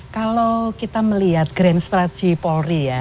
kalau kita melihat grand strategy polri ya